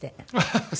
ハハハハ！